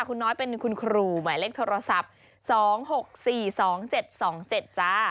คุณน้อยเป็นคุณครูหมายเลขโทรศัพท์๒๖๔๒๗๒๗จ้า